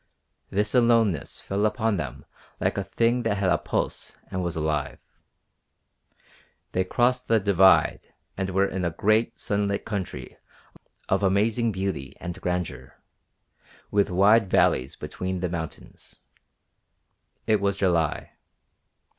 This aloneness fell upon them like a thing that had a pulse and was alive. They crossed the Divide and were in a great sunlit country of amazing beauty and grandeur, with wide valleys between the mountains. It was July.